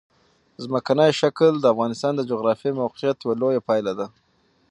ځمکنی شکل د افغانستان د جغرافیایي موقیعت یوه لویه پایله ده.